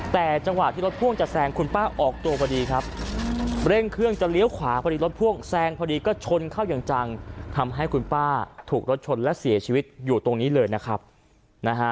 แต่จังหวะที่รถพ่วงจะแซงคุณป้าออกตัวพอดีครับเร่งเครื่องจะเลี้ยวขวาพอดีรถพ่วงแซงพอดีก็ชนเข้าอย่างจังทำให้คุณป้าถูกรถชนและเสียชีวิตอยู่ตรงนี้เลยนะครับนะฮะ